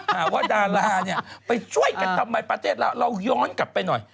หาว่าดาราเนี่ยไปช่วยกันทำไมประเทศเราเราย้อนกลับไปหน่อย